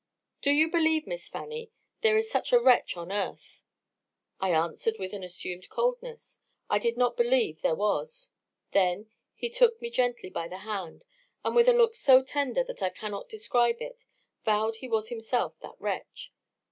'Do you believe, Miss Fanny, there is such a wretch on earth?' I answered, with an assumed coldness, I did not believe there was. He then took me gently by the hand, and, with a look so tender that I cannot describe it, vowed he was himself that wretch.